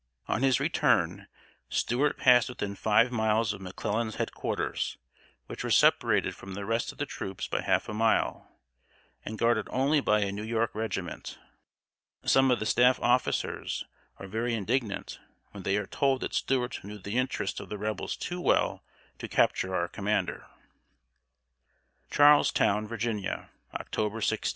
On his return, Stuart passed within five miles of McClellan's head quarters, which were separated from the rest of the troops by half a mile, and guarded only by a New York regiment. Some of the staff officers are very indignant when they are told that Stuart knew the interest of the Rebels too well to capture our commander. CHARLESTOWN, VIRGINIA, October 16.